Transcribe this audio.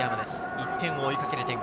１点を追いかける展開。